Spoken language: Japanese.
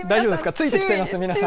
ついてきてます？